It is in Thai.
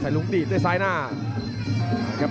ลุงดีดด้วยซ้ายหน้า